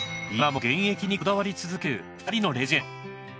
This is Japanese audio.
今も現役にこだわり続ける２人のレジェンド。